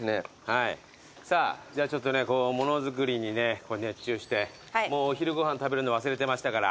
さあちょっと物作りに熱中してもうお昼ご飯食べるの忘れてましたから。